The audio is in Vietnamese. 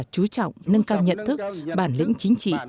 chú trọng nâng cao nhận thức bản lĩnh chính trị